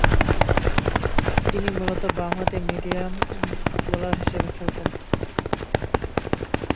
তিনি মূলতঃ বামহাতি মিডিয়াম বোলার হিসেবে খেলতেন।